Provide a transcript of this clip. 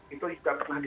itu juga pernah